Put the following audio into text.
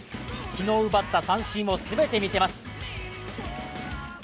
昨日奪った三振を全て見せます。